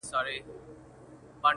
تر دې نو بله ښه غزله کتابي چیري ده-